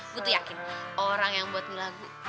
gue tuh yakin orang yang buat nih lagu